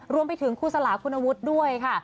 รวมไปถึงครูสลาคุณวุฒิด้วยค่ะ